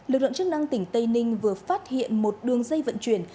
lực lượng chức năng tỉnh tây ninh vừa phát hiện một đường dây vận chuyển